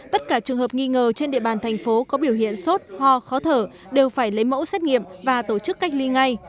tất cả trường hợp nghi ngờ trên địa bàn thành phố có biểu hiện sốt ho khó thở đều phải lấy mẫu xét nghiệm và tổ chức cách ly ngay